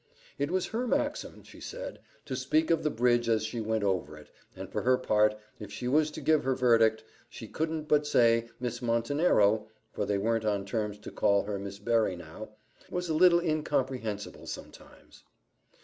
It was her maxim, she said, to speak of the bridge as she went over it; and for her part, if she was to give her verdict, she couldn't but say Miss Montenero for they weren't on terms to call her Miss Berry now was a little incomprehensible sometimes.